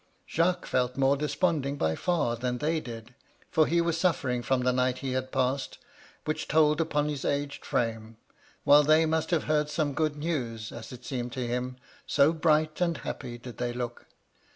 Jacques felt more desponding by far than they did, for he was suffering from the night he had passed, which MY LADY LUDLOW. 187 told upon his aged frame ; while they must have heard some good news, as it seemed to him, so bright and happy did they look.